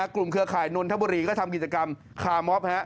กลุ่มเครือข่ายน้นทบุรีก็ทำกิจกรรมคามอฟ